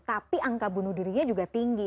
tapi angka bunuh dirinya juga tinggi